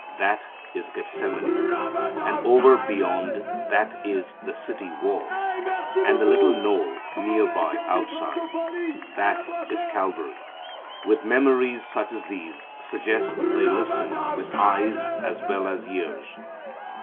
That is Gethsemane. And over beyond that is the city wall and the little knoll near by outside. That is Calvary. With memories such as these suggest they listen with eyes as well as ears.